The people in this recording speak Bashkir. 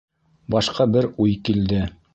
Башҡа бер уй килде!..